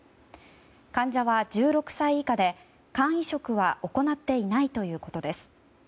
患者は１６歳以下で肝移植は行っていないということです。